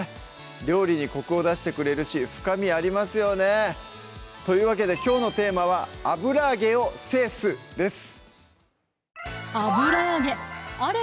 料理にコクを出してくれるし深みありますよねというわけできょうのテーマは「油揚げを制す」です